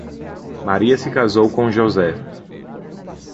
Maria se casou com José.